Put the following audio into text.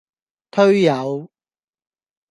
推友